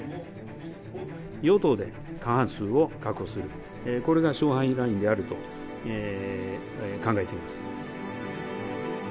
与党で過半数を確保する、これが勝敗ラインであると考えています。